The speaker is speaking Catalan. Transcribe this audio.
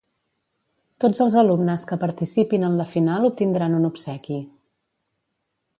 Tots els alumnes que participin en la final obtindran un obsequi.